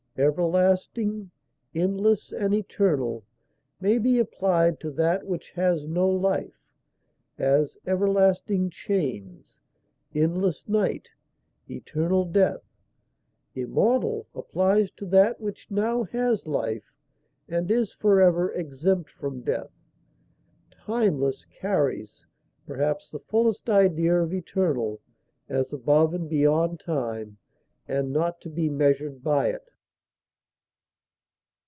Everlasting, endless, and eternal may be applied to that which has no life; as, everlasting chains, endless night, eternal death; immortal applies to that which now has life, and is forever exempt from death. Timeless carries, perhaps, the fullest idea of eternal, as above and beyond time, and not to be measured by it.